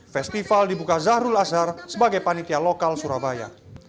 festival dibuka zahrul azhar sebagai panitia lokal surabaya